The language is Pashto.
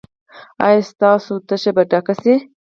ایا ستاسو تشه به ډکه شي؟